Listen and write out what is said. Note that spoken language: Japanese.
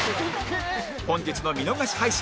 本日の見逃し配信